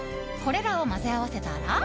これらを混ぜ合わせたら。